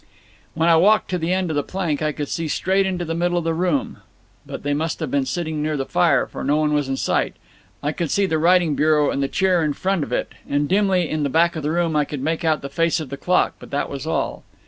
"When I walked to the end of the plank, I could see straight into the middle of the room; but they must have been sitting near the fire, for no one was in sight. I could see the writing bureau and the chair in front of it, and dimly in the back of the room I could make out the face of the clock, but that was all.